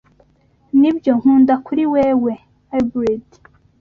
Nibyo nkunda kuri wewe. (Hybrid)